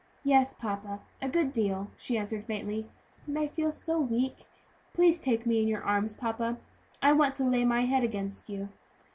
"Yes, papa, a good deal," she answered faintly; "and I feel so weak. Please take me in your arms, papa, I want to lay my head against you."